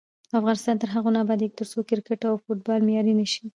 افغانستان تر هغو نه ابادیږي، ترڅو کرکټ او فوټبال معیاري نشي.